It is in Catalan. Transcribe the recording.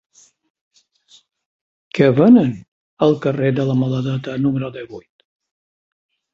Què venen al carrer de la Maladeta número divuit?